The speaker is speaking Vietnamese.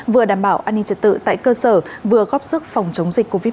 vừa đảm bảo an ninh trật tự tại cơ sở vừa góp sức phòng chống dịch covid một mươi